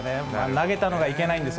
投げたのがいけないんです。